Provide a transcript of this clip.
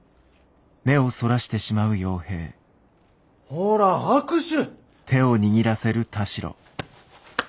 ほら握手。